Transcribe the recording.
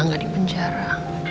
dia sudah di penjara